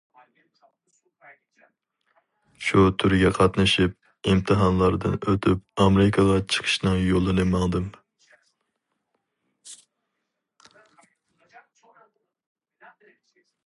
شۇ تۈرگە قاتنىشىپ ئىمتىھانلاردىن ئۆتۈپ ئامېرىكىغا چىقىشنىڭ يولىنى ماڭدىم.